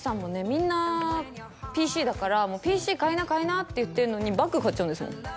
みんなＰＣだから「もうＰＣ買いな買いな」って言ってるのにバッグ買っちゃうんですもん